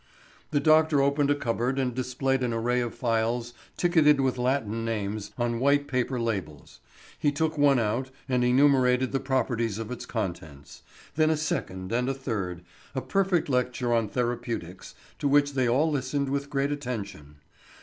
The doctor opened a cupboard and displayed an array of phials ticketed with Latin names on white paper labels. He took one out and enumerated the properties of its contents; then a second and a third, a perfect lecture on therapeutics, to which they all listened with great attention.